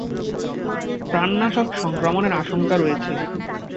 প্রাণনাশক সংক্রমণের আশঙ্কা রয়েছে।